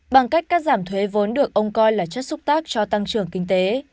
bằng cách cắt giảm thuế vốn được ông coi là chất xúc tác cho tăng trưởng kinh tế